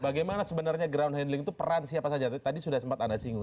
bagaimana sebenarnya ground handling itu peran siapa saja tadi sudah sempat anda singgung